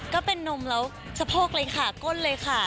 ก็เป็นนมแล้วสะโพกเลยค่ะก้นเลยค่ะ